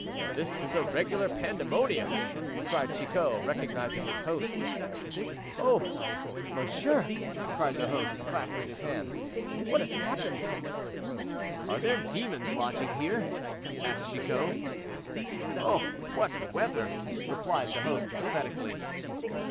"This is a regular pandemonium," cried Chicot, recognizing his host. "Oh! monsieur," cried the host, clasping his hands, "what has happened?" "Are there demons lodging here?" asked Chicot. "Oh! what weather," replied the host pathetically.